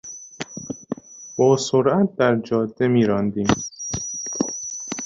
با سرعت در جاده میراندیم.